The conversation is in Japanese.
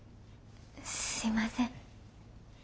すいません。